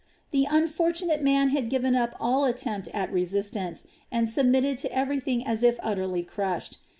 The unfortunate man had given up all attempt at resistance and submitted to everything as if utterly crushed.